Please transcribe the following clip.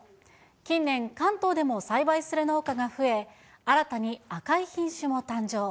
近年、関東でも栽培する農家が増え、新たに赤い品種も誕生。